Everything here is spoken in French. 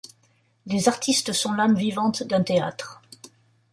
Les artistes sont l’âme vivante d’un théâtre.